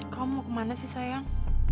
kau mau ke mana sih sayang